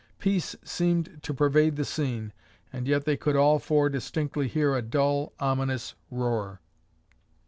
Peace seemed to pervade the scene and yet they could all four distinctly hear a dull ominous roar.